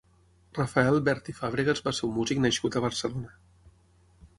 Rafael Bert i Fàbregas va ser un músic nascut a Barcelona.